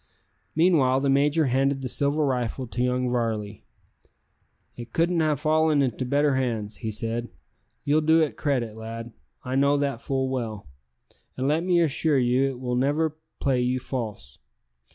Meanwhile the major handed the silver rifle to young Varley. "It couldn't have fallen into better hands," he said. "You'll do it credit, lad, I know that full well; and let me assure you it will never play you false.